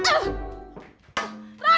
aku mau berbuncung